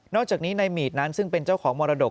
อกจากนี้ในหมีดนั้นซึ่งเป็นเจ้าของมรดก